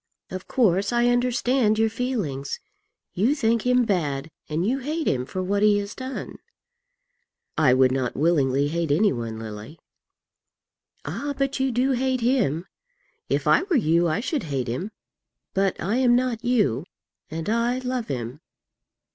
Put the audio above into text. Of course, I understand your feelings. You think him bad and you hate him for what he has done." "I would not willingly hate any one, Lily." "Ah, but you do hate him. If I were you, I should hate him; but I am not you, and I love him.